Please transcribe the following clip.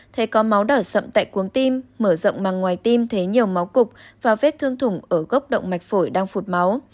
thấy có máu đỏ sậm tại cuống tim mở rộng màng ngoài tim thế nhiều máu cục và vết thương thủng ở gốc động mạch phổi đang phụt máu